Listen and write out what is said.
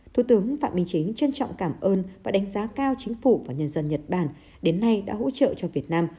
thủ tướng phạm một mươi chín trân trọng cảm ơn và đánh giá cao chính phủ và nhân dân nhật bản đến nay đã hỗ trợ cho việt nam